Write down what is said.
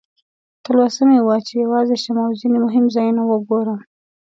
تلوسه مې وه چې یوازې شم او ځینې مهم ځایونه وګورم.